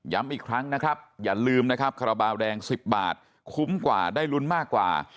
อีกครั้งนะครับอย่าลืมนะครับคาราบาลแดง๑๐บาทคุ้มกว่าได้ลุ้นมากกว่า